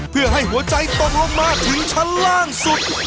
เพื่อให้หัวใจตกลงมาถึงชั้นล่างสุด